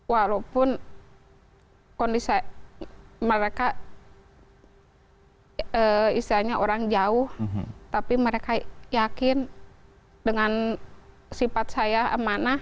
walaupun kondisi mereka istilahnya orang jauh tapi mereka yakin dengan sifat saya amanah